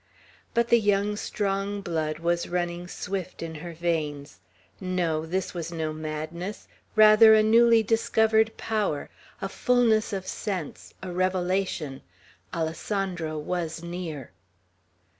But the young, strong blood was running swift in her veins. No! this was no madness; rather a newly discovered power; a fulness of sense; a revelation. Alessandro was near.